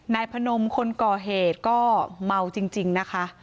นายพนมคนก่อเหตุก็เมาจริงนะคะ